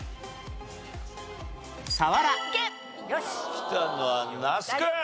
きたのは那須君。